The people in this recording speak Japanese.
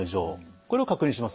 これを確認しますよね。